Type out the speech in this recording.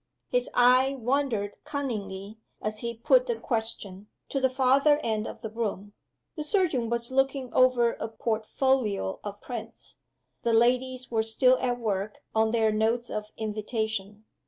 His eye wandered cunningly, as he put the question, to the farther end of the room. The surgeon was looking over a port folio of prints. The ladies were still at work on their notes of invitation.